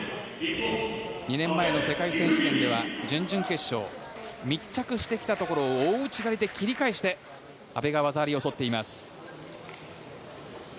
２年前の世界選手権では準々決勝密着してきたところを大内刈りで切り返して阿部が技ありを取っています。